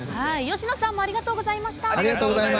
吉野さんもありがとうございました。